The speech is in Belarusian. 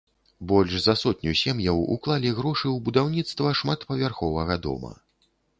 Больш за сотню сем'яў уклалі грошы ў будаўніцтва шматпавярховага дома.